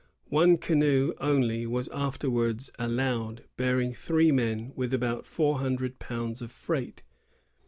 One canoe only was after wards allowed, bearing three men with about four hundred pounds of freight.